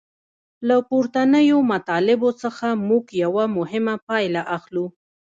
له پورتنیو مطالبو څخه موږ یوه مهمه پایله اخلو.